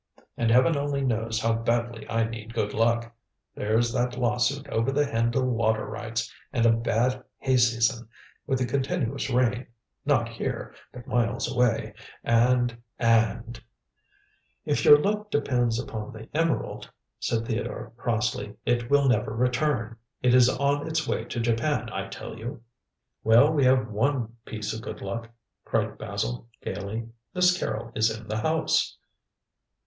And heaven only knows how badly I need good luck! There's that lawsuit over the Hendle water rights, and a bad hay season with the continuous rain not here, but miles away and and " "If your luck depends upon the emerald," said Theodore crossly, "it will never return. It is on its way to Japan, I tell you." "Well, we have one piece of good luck," cried Basil gaily. "Miss Carrol is in the house."